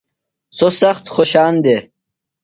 سوۡ سخت خوشان دےۡ۔